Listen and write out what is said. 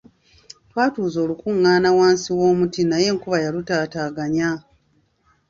Twatuuza olukungaana wansi w'omuti naye enkuba yalutaataaganya.